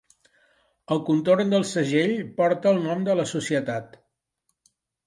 El contorn del segell porta el nom de la societat.